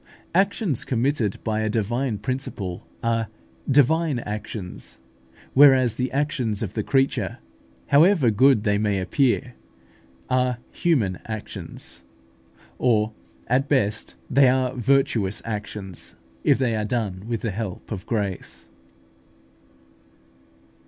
Actions committed by a divine principle are divine actions; whereas the actions of the creature, however good they may appear, are human actions or at best they are virtuous actions, if they are done with the help of grace.